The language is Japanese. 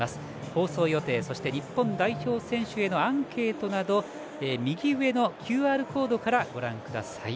放送予定日本代表選手へのアンケートなど右上のＱＲコードからご覧ください。